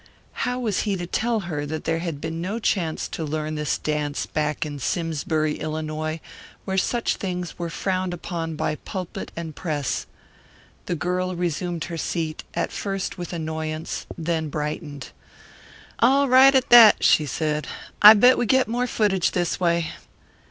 How was he to tell her that there had been no chance to learn this dance back in Simsbury, Illinois, where such things were frowned upon by pulpit and press? The girl resumed her seat, at first with annoyance, then brightened. "All right at that," she said. "I bet we get more footage this way."